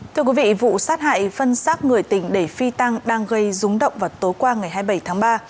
thưa quý vị vụ sát hại phân xác người tỉnh để phi tăng đang gây rúng động vào tối qua ngày hai mươi bảy tháng ba